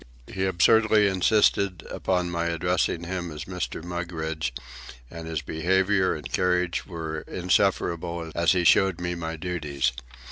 He absurdly insisted upon my addressing him as Mr. Mugridge, and his behaviour and carriage were insufferable as he showed me my duties.